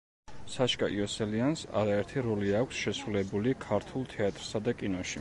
საშკა იოსელიანს არაერთი როლი აქვს შესრულებული ქართულ თეატრსა და კინოში.